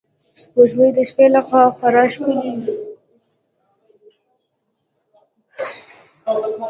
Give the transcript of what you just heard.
سپوږمۍ د شپې له خوا خورا ښکلی وي